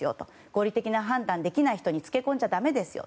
合理的な判断ができない人につけ込んじゃだめですよ。